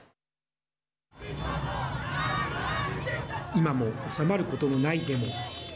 今も収まることのないデモ。